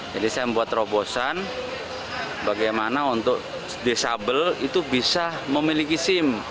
jadi saya membuat terobosan bagaimana untuk disabel itu bisa memiliki sim